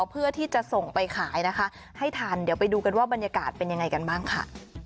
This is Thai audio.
เพื่อที่จะส่งไปขายนะคะให้ทันเดี๋ยวไปดูกันว่าบรรยากาศเป็นยังไงกันบ้างค่ะ